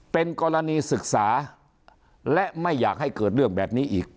เป็นกรณีศึกษาและไม่อยากให้เกิดเรื่องแบบนี้อีก